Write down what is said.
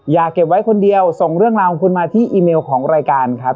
อย่าเก็บไว้คนเดียวส่งเรื่องราวของคุณมาที่อีเมลของรายการครับ